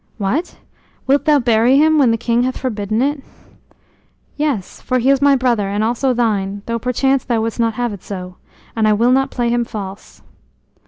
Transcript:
"What? Wilt thou bury him when the king hath forbidden it?" "Yes, for he is my brother and also thine, though perchance thou wouldst not have it so. And I will not play him false."